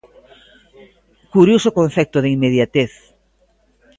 ¡Curioso concepto de inmediatez!